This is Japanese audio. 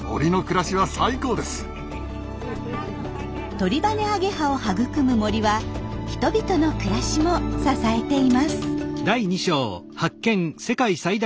トリバネアゲハを育む森は人々の暮らしも支えています。